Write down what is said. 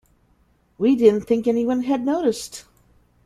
We didn't think anyone had noticed.